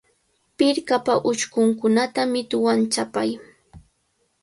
Pirqapa uchkunkunata mituwan chapay.